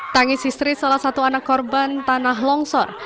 tangis histeris salah satu anak korban tanah longsor